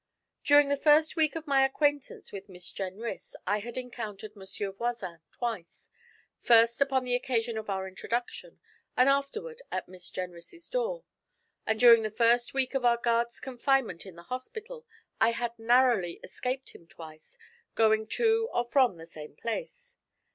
During the first week of my acquaintance with Miss Jenrys I had encountered Monsieur Voisin twice; first upon the occasion of our introduction, and afterward at Miss Jenrys' door; and during the first week of our guard's confinement in the hospital I had narrowly escaped him twice, going to or coming from the same place.